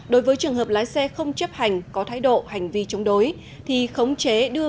đối với trường hợp lái xe không chấp hành có thái độ hành vi chống đối thì khống chế đưa